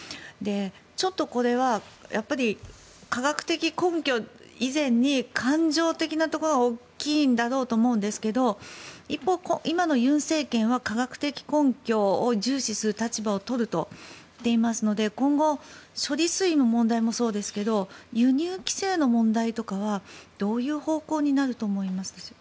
ちょっとこれは科学的根拠以前に感情的なところが大きいんだろうと思うんですが一方、今の尹政権は科学的根拠を重視する立場を取ると言っていますので今後、処理水の問題もそうですけど輸入規制の問題とかはどういう方向になると思いますか。